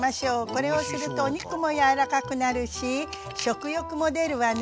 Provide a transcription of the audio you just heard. これをするとお肉も柔らかくなるし食欲も出るわね。